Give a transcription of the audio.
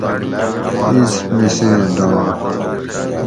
اِس مِسیں ڈانڑ